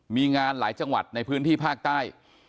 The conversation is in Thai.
มีงานหลายจังหวัดในพื้นที่ภาคใต้